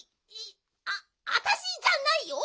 ああたしじゃないよ！